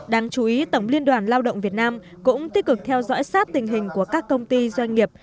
đáng chú ý tổng liên đoàn lao động việt nam cũng tích cực theo dõi sát tình hình của các công ty doanh nghiệp